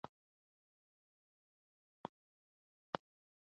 خو که سمه طریقه عملي شي، ډوډۍ خوندوره راځي.